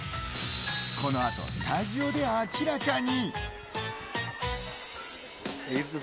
このあとスタジオで明らかに。